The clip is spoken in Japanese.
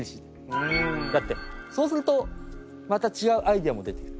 だってそうするとまた違うアイデアも出てくる。